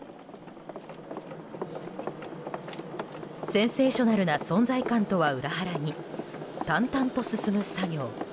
センセーショナルな存在感とは裏腹に、淡々と進む作業。